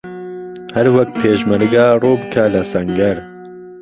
ههر وهک پێشمهرگه روو بکه له سهنگهر